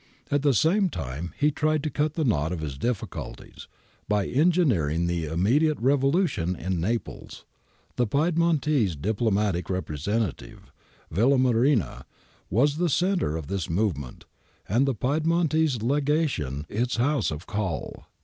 "^ At the same time he tried to cut the knot of his difficulties by engineering an immediate revolution in Naples. The Piedmontese diplomatic representative, Villamarina, was the centre of this movement and the Piedmontese Legation its house of call.